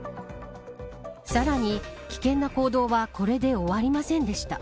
さらに、危険な行動はこれで終わりませんでした。